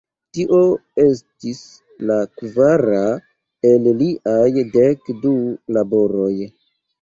Tio estis la kvara el liaj dek du laboroj.